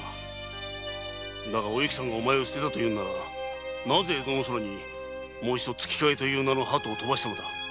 だがお幸さんがお前を捨てたというならなぜ江戸の空に「月影」という名のハトを飛ばしたのだ。